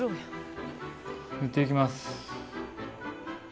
縫っていきます。